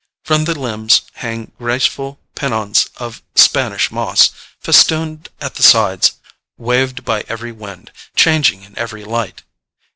From the limbs hang graceful pennons of Spanish moss, festooned at the sides, waved by every wind, changing in every light.